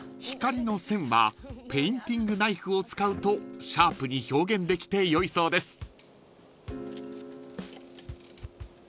［光の線はペインティングナイフを使うとシャープに表現できてよいそうです］